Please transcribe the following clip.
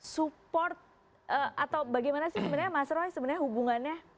support atau bagaimana sih sebenarnya mas roy sebenarnya hubungannya